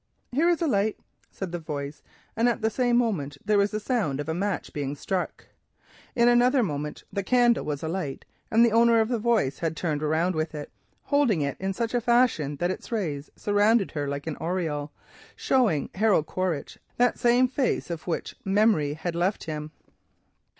"Here is a light," said the voice, and at the same moment there was a sound of a match being struck. In another moment the candle was burning, and the owner of the voice had turned, holding it in such a fashion that its rays surrounded her like an aureole—showing Harold Quaritch that face of which the memory had never left him.